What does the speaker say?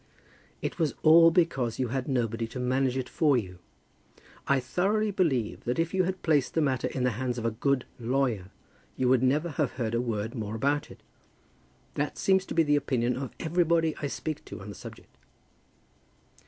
"It was all because you had nobody to manage it for you. I thoroughly believe that if you had placed the matter in the hands of a good lawyer, you would never have heard a word more about it. That seems to be the opinion of everybody I speak to on the subject."